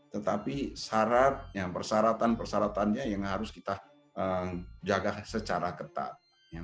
tetapi persyaratannya yang harus kita jaga secara ketat